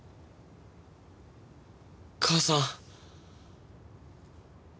母さん。